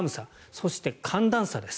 そして、寒暖差です。